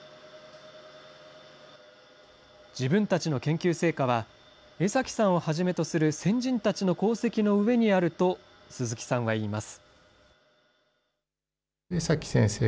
自分たちの研究成果は、江崎さんをはじめとする先人たちの功績の上にあると鈴木さんは言います。